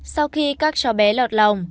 sau khi các chó bé lọt lòng